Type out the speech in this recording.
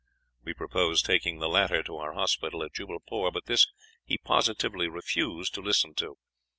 We proposed taking the latter to our hospital at Jubbalpore, but this he positively refused to listen to.